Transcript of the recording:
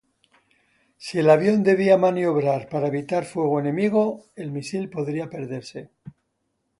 Si el avión debía maniobrar para evitar fuego enemigo, el misil podía perderse.